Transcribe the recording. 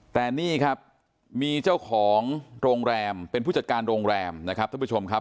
แต่นี่ครับมีเจ้าของโรงแรมเป็นผู้จัดการโรงแรมนะครับท่านผู้ชมครับ